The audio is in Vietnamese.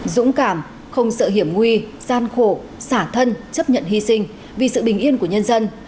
dũng cảm không sợ hiểm nguy gian khổ xả thân chấp nhận hy sinh vì sự bình yên của nhân dân